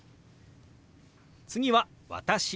次は「私」。